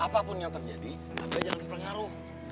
apapun yang terjadi anda jangan terpengaruh